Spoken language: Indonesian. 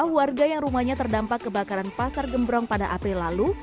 dua warga yang rumahnya terdampak kebakaran pasar gembrong pada april lalu